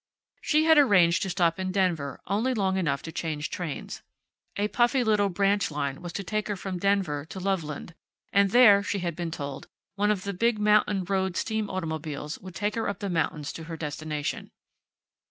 She had arranged to stop in Denver only long enough to change trains. A puffy little branch line was to take her from Denver to Loveland, and there, she had been told, one of the big mountain road steam automobiles would take her up the mountains to her destination.